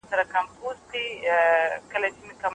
د کلي باغونه د زردالیو له ونو ډک وو.